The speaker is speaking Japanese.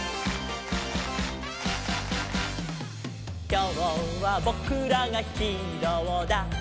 「きょうはぼくらがヒーローだ！」